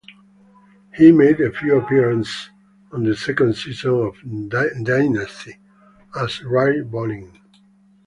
He made a few appearances on the second season of "Dynasty" as Ray Bonning.